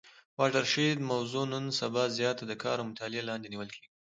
واټر شید موضوع نن سبا زیاته د کار او مطالعې لاندي نیول کیږي.